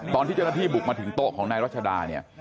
ตอนที่เจ้าหน้าที่บุกมาถึงโต๊ะของนายรัชดาเนี่ย